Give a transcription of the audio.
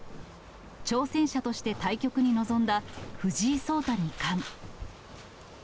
挑戦者として対局に臨んだ藤井聡太二冠。